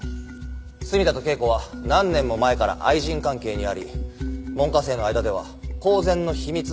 墨田と桂子は何年も前から愛人関係にあり門下生の間では公然の秘密だったそうです。